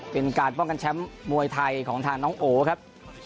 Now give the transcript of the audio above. เป็นการป้องกันแชมป์มวยไทยของทางน้องโอครับ